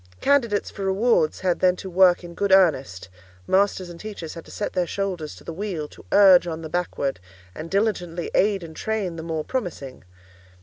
Candidates for rewards had then to work in good earnest; masters and teachers had to set their shoulders to the wheel, to urge on the backward, and diligently aid and train the more promising.